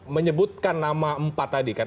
menyebutkan nama empat tadi kan